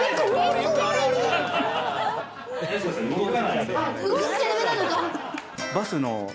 動いちゃダメなのか。